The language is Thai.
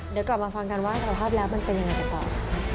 เดี๋ยวกลับมาฟังกันว่าสารภาพแล้วมันเป็นยังไงกันต่อ